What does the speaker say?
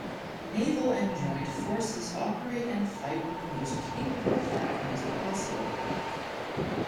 Naval and Joint Forces operate and fight with the most capable platforms possible.